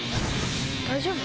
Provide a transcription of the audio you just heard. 大丈夫？